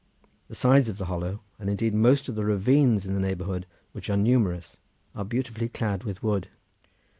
The sides of the hollow, and indeed of most of the ravines in the neighbourhood, which are numerous, are beautifully clad with wood.